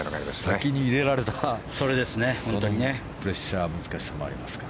先に入れられたプレッシャー難しさもありますか。